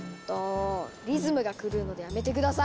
リズムが狂うのでやめて下さい！